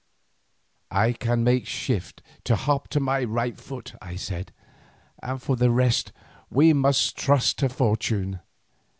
"I can make shift to hop on my right foot," I said, "and for the rest we must trust to fortune.